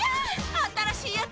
新しいやつ！